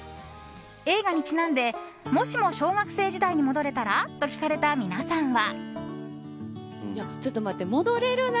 映画にちなんでもしも小学校時代に戻れたら？と聞かれた皆さんは。